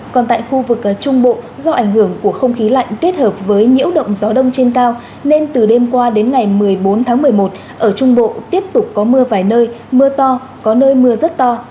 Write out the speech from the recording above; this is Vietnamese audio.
còn tại khu vực trung bộ do ảnh hưởng của không khí lạnh kết hợp với nhiễu động gió đông trên cao nên từ đêm qua đến ngày một mươi bốn tháng một mươi một ở trung bộ tiếp tục có mưa vài nơi mưa to có nơi mưa rất to